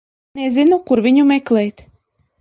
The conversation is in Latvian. Nezinu, kur viņu meklēt.